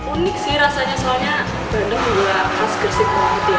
unik sih rasanya soalnya bandeng juga pas krisik banget ya